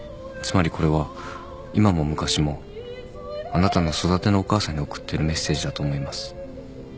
つまりこれは今も昔もあなたの育てのお母さんに送ってるメッセージだと思います。